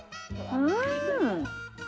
うん！